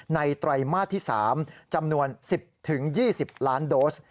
ไตรมาสที่๓จำนวน๑๐๒๐ล้านโดส